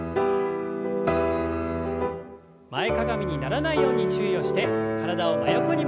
前かがみにならないように注意をして体を真横に曲げます。